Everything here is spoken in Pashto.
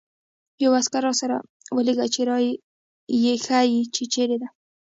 یو عسکر راسره ولېږه چې را يې ښيي، چې چېرته ده.